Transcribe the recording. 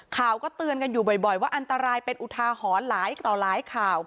ข่าวก็เตือนกันอยู่บ่อยว่าอันตรายเป็นอุทาหรณ์หลายต่อหลายข่าว